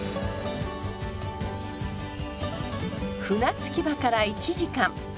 船着き場から１時間。